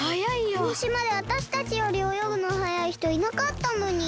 このしまでわたしたちよりおよぐのはやいひといなかったのに。